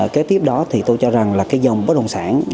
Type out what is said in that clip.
kế tiếp đó thì tôi cho rằng là cái dòng bất đồng sản